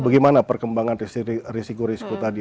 bagaimana perkembangan risiko risiko tadi